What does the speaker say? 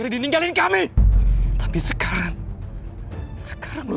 ada pelekan pasif ada dope